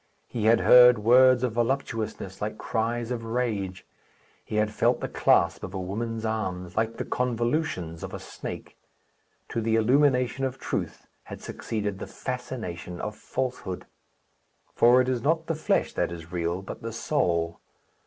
He had heard words of voluptuousness like cries of rage; he had felt the clasp of a woman's arms, like the convolutions of a snake; to the illumination of truth had succeeded the fascination of falsehood; for it is not the flesh that is real, but the soul.